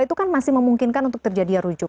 itu kan masih memungkinkan untuk terjadinya rujuk